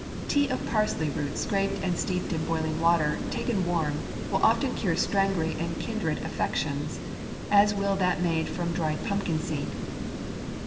Tea of parsley root scraped and steeped in boiling water, taken warm, will often cure strangury and kindred affections, as will that made from dried pumpkin seed.